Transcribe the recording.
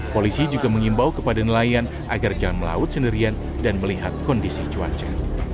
polisi juga mengimbau kepada nelayan agar jangan melaut sendirian dan melihat kondisi cuaca